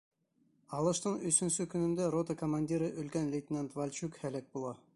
Алыштың өсөнсө көнөндә рота командиры өлкән лейтенант Вальчук һәләк була.